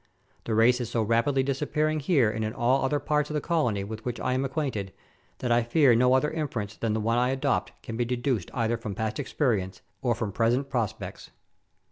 The race is so rapidly disappearing here and in all other parts of the colony with which I am acquainted, that I fear no other inference than the one I adopt can be deduced either from past experience or from present prospects.